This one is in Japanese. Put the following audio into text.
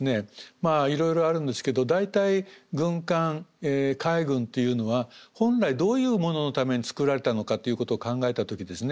まあいろいろあるんですけど大体軍艦海軍というのは本来どういうもののために造られたのかということを考えた時ですね